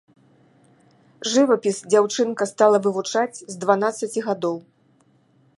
Жывапіс дзяўчынка стала вывучаць з дванаццаці гадоў.